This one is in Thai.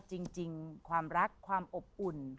จริงความรักความอบอุ่น